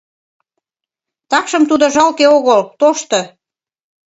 Такшым тудо жалке огыл, тошто.